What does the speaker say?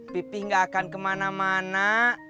pipi gak akan kemana mana